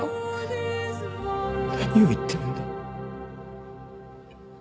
何を言ってるんだ。